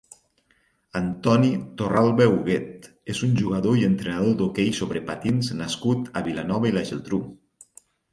Antoni Torralba Huguet és un jugador i entrenador d'hoquei sobre patins nascut a Vilanova i la Geltrú.